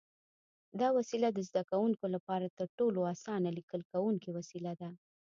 دا وسیله د زده کوونکو لپاره تر ټولو اسانه لیکل کوونکی وسیله ده.